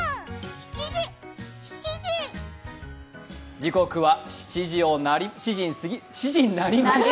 時刻は７、７時になりました。